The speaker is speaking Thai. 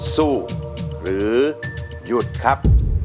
สู้หรือหยุดครับ